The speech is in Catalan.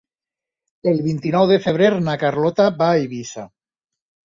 El vint-i-nou de febrer na Carlota va a Eivissa.